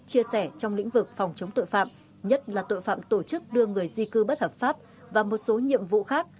chia sẻ trong lĩnh vực phòng chống tội phạm nhất là tội phạm tổ chức đưa người di cư bất hợp pháp và một số nhiệm vụ khác